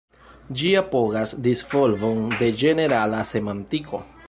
Ĝi apogas disvolvon de ĝenerala semantiko.